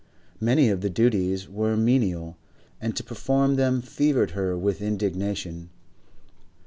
Many of the duties were menial, and to perform them fevered her with indignation.